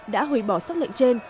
đã hủy bỏ xác lệnh trên